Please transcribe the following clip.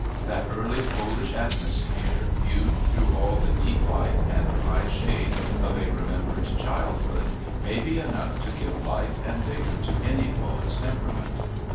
That early Polish atmosphere, viewed through all the deep light and high shade of a remembered childhood, may be enough to give life and vigour to any poet's temperament.